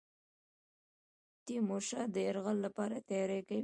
تیمورشاه د یرغل لپاره تیاری کوي.